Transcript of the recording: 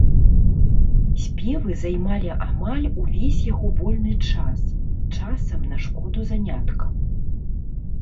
Спевы займалі амаль увесь яго вольны час, часам на шкоду заняткам.